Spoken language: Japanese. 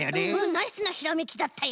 ナイスなひらめきだったよ！